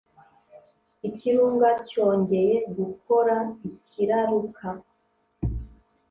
Ikirunga cyongeye gukora kiraruka.